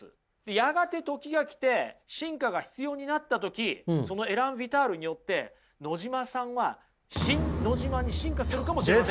やがて時が来て進化が必要になった時そのエラン・ヴィタールによって野島さんはシン・ノジマに進化するかもしれません。